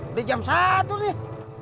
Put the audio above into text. udah jam satu nih